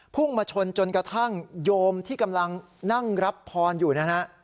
พุ่งมาชนจนกระทั่งโยมที่กำลังนั่งรับพรอยู่นะฮะ